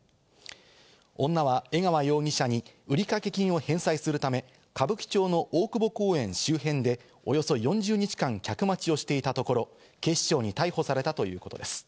女は江川容疑者に売掛金を返済するため、歌舞伎町の大久保公園周辺でおよそ４０日間、客待ちをしていたところ、警視庁に逮捕されたということです。